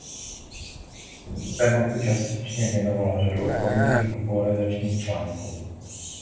Tomuto tématu částečně věnoval řadu odborných i popularizačních článků.